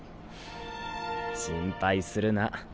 心配するな。